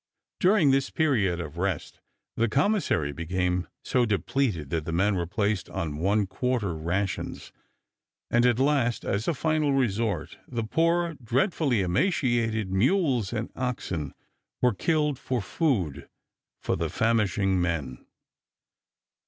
During this period of rest the commissary became so depleted that the men were placed on one quarter rations; and at last, as a final resort, the poor, dreadfully emaciated mules and oxen were killed for food for the famishing men.